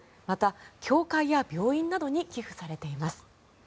また、教会や病院などに寄付されています。